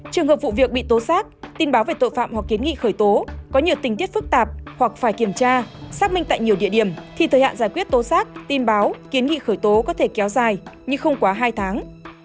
trường hợp vụ việc bị tố xác tin báo về tội phạm hoặc kiến nghị khởi tố có nhiều tình tiết phức tạp hoặc phải kiểm tra xác minh tại nhiều địa điểm thì thời hạn giải quyết tố giác tin báo kiến nghị khởi tố có thể kéo dài như không quá hai tháng